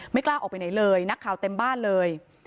กล้าออกไปไหนเลยนักข่าวเต็มบ้านเลย